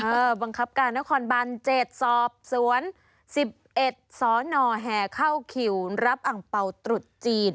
ก็บังคับการนครบัน๗สอบสวน๑๑สนแห่เข้าคิวรับอังเป่าตรุษจีน